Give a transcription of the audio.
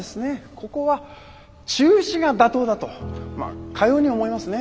ここは中止が妥当だとまあかように思いますね。